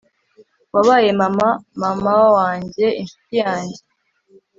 wabaye mama, mamaw wanjye, inshuti yanjye